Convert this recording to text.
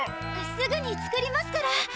すぐに作りますから。